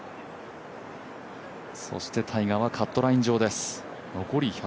そしてタイガーはカットライン上です。